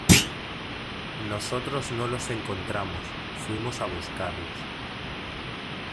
nosotros no los encontramos, fuimos a buscarlos.